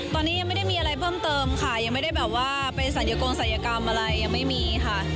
ตอนนี้ยังไม่ได้มีอะไรเพิ่มเติมค่ะยังไม่ได้แบบว่าไปศัลยกงศัยกรรมอะไรยังไม่มีค่ะ